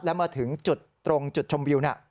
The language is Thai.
แล้วมาถึงจุดตรงจุดชมวิว